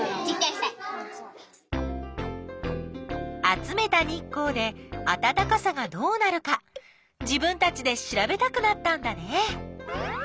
集めた日光であたたかさがどうなるか自分たちでしらべたくなったんだね。